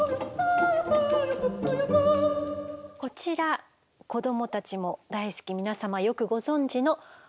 こちら子どもたちも大好き皆様よくご存じの。